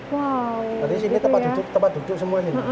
jadi di sini tempat duduk semua